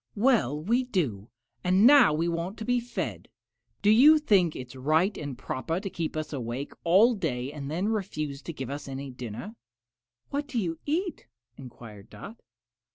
"Well we do, and now we want to be fed. Do you think it is right and proper to keep us awake all day and then refuse to give us any dinner?" "What do you eat?" enquired Dot.